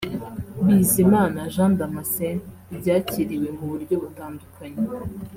Bizimana Jean Damascene ryakiriwe mu buryo butandukanye